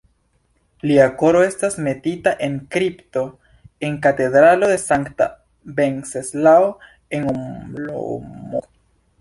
Lia koro estas metita en kripto en Katedralo de sankta Venceslao en Olomouc.